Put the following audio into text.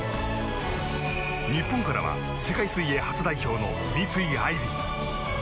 日本からは世界水泳初代表の三井愛梨。